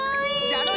じゃろ？